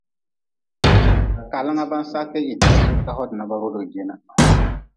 Kalanga ba-n saa kee hii ti ka sugi kan ka hodi na ba rodigi jeena.